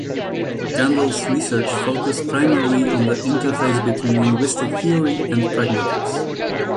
Gundel’s research focused primarily on the interface between linguistic theory and pragmatics.